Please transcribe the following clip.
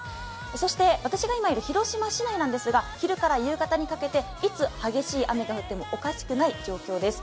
そして私が今いる広島市内なんですが、昼から夕方にかけて、いつ激しい雨が降ってもおかしくない状況です。